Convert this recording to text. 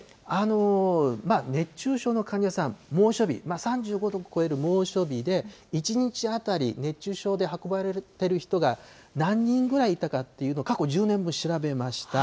熱中症の患者さん、猛暑日、３５度を超える猛暑日で、１日当たり、熱中症で運ばれてる人が何人ぐらいいたかっていうのを、過去１０年分調べました。